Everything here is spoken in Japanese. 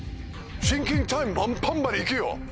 シンキングタイムまんぱんまでいくよ！